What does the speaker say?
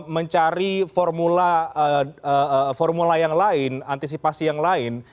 mencari formula yang lain antisipasi yang lain